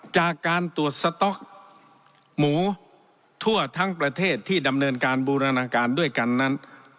จากการตรวจสต๊อกหมูทั่วทั้งประเทศที่ดำเนินการบูรณาการด้วยกันนั้น